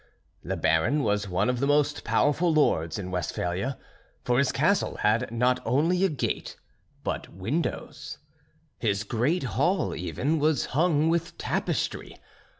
The Baron was one of the most powerful lords in Westphalia, for his castle had not only a gate, but windows. His great hall, even, was hung with tapestry.